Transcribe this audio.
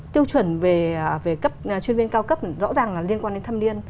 tiêu chuẩn về cấp chuyên viên cao cấp rõ ràng là liên quan đến thâm niên